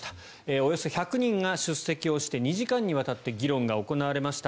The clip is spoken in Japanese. およそ１００人が出席して２時間にわたって議論が行われました。